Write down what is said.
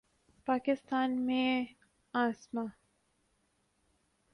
پاکستان میں اسما